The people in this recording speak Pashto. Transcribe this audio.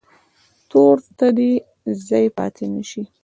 تور ته دې ځای پاتې نه شي.